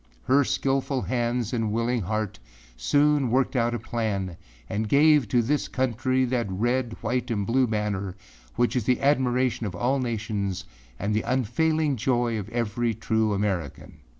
Her skillful hands and willing heart soon worked out a plan and gave to this country that red, white and blue banner which is the admiration of all nations and the unfailing joy of every true American.